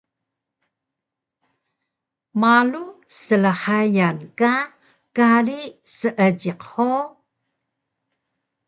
Malu slhayan ka kari Seejiq hug?